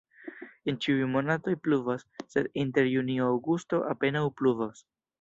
En ĉiuj monatoj pluvas, sed inter junio-aŭgusto apenaŭ pluvas.